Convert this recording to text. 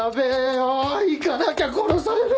行かなきゃ殺される！